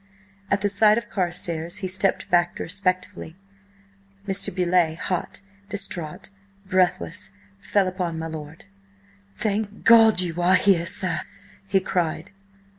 At the sight of Carstares he stepped back respectfully. Mr. Beauleigh, hot, distraught, breathless, fell upon my lord. "Thank God you are here, sir!" he cried.